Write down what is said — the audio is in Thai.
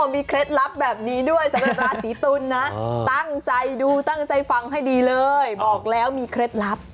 มีเคล็ดลับแบบนี้ด้วยสำหรับราศีตุลนะตั้งใจดูตั้งใจฟังให้ดีเลยบอกแล้วมีเคล็ดลับ